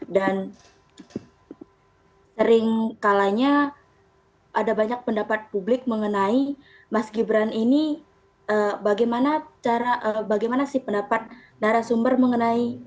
dan sering kalanya ada banyak pendapat publik mengenai mas gibran ini bagaimana si pendapat narasumber mengenai